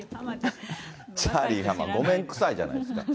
チャーリー浜、ごめんくさいじゃないですか。